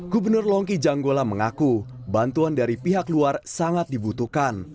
gubernur longki janggola mengaku bantuan dari pihak luar sangat dibutuhkan